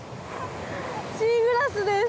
シーグラスです。